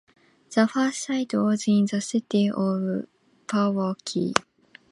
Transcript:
The first site was in the city of Pewaukee.